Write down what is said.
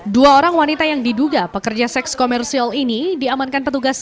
dua orang wanita yang diduga pekerja seks komersial ini diamankan petugas